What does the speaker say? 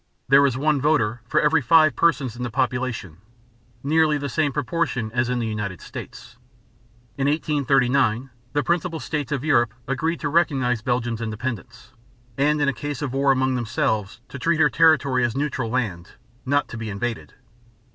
There is one voter for every five persons in the population, nearly the same proportion as in the United States. In 1839 the principal states of Europe agreed to recognize Belgium's independence, and in case of war among themselves to treat her territory as neutral land, not to be invaded.